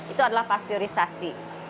itu adalah pasteurisasi